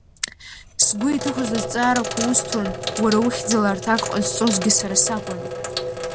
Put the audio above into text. Сгәы иҭыхоз азҵаарақәа усҭон, уара ухьӡала рҭак ҟазҵозгьы сара сакәын.